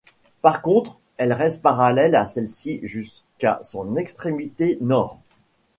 Par contre, elle reste parallèle à celle-ci jusqu'à son extrémité nord.